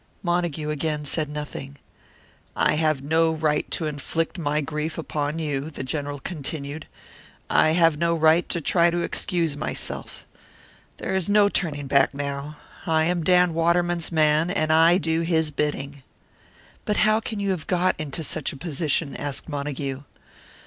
Montague again said nothing. "I have no right to inflict my grief upon you," the General continued. "I have no right to try to excuse myself. There is no turning back now. I am Dan Waterman's man, and I do his bidding." "But how can you have got into such a position?" asked Montague.